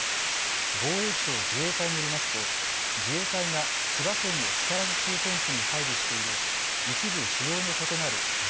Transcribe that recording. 防衛省・自衛隊によりますと自衛隊が千葉県の木更津駐屯地に配備している一部、仕様の異なるＶ２２